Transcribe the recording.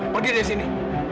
pergi dari sini